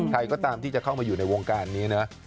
ใครก็ตามที่จะเข้ามาอยู่ในวงการนี้นะ